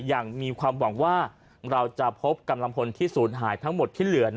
อย่างมีความหวังว่าเราจะพบกำลังพลที่ศูนย์หายทั้งหมดที่เหลือ